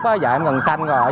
vợ em gần sanh rồi